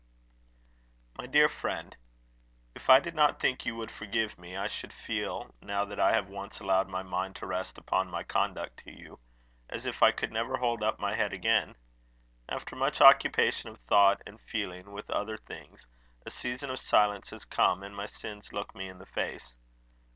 "MY DEAR FRIEND, If I did not think you would forgive me, I should feel, now that I have once allowed my mind to rest upon my conduct to you, as if I could never hold up my head again. After much occupation of thought and feeling with other things, a season of silence has come, and my sins look me in the face.